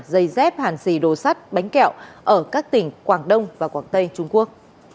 dây dép hàn xì đồ sắt bánh kẹo ở các tỉnh quảng đông và quảng tây trung quốc